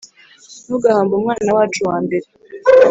ntugahambe umwana wacu wambere,